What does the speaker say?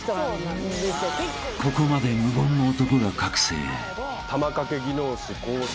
［ここまで無言の男が覚醒］